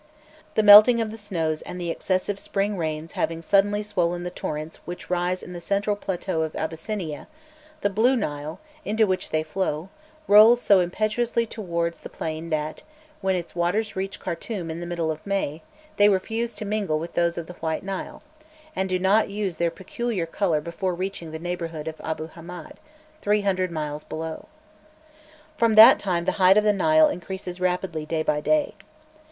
The melting of the snows and the excessive spring rains having suddenly swollen the torrents which rise in the central plateau of Abyssinia, the Blue Nile, into which they flow, rolls so impetuously towards the plain that, when its waters reach Khartum in the middle of May, they refuse to mingle with those of the White Nile, and do not lose their peculiar colour before reaching the neighbourhood of Abu Hamed, three hundred miles below. From that time the height of the Nile increases rapidly day by day.